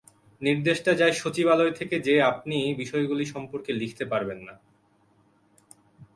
নির্দেশটা যায় সচিবালয় থেকে যে আপনি বিষয়গুলো সম্পর্কে লিখতে পারবেন না।